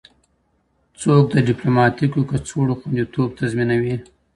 څوک د ډیپلوماټیکو کڅوړو خوندیتوب تضمینوي؟